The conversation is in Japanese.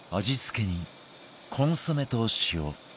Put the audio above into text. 味付けにコンソメと塩